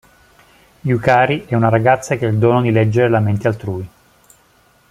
Yukari è una ragazza che ha il dono di leggere la mente altrui.